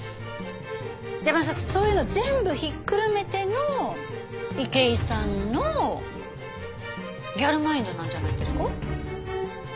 でもさそういうの全部ひっくるめての池井さんのギャルマインドなんじゃないんですか？